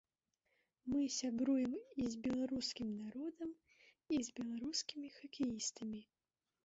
Мы сябруем і з беларускім народам, і з беларускімі хакеістамі.